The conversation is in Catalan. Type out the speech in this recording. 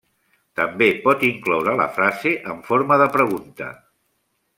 També pot incloure la frase en forma de pregunta.